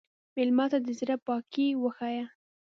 مېلمه ته د زړه پاکي وښیه.